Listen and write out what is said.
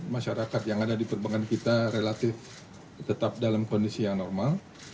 masyarakat yang ada di perbankan kita relatif tetap dalam kondisi yang normal